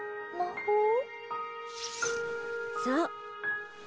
そう。